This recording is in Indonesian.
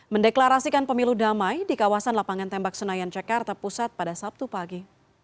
mendeklarasikan pemilu damai di kawasan lapangan tembak senayan jakarta pusat pada sabtu pagi